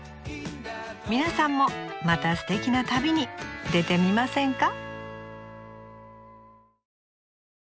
皆さんもまたすてきな旅に出てみませんか？